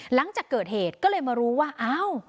หลังจากเกิดเหตุก็เลยมารู้ว่าอ้าว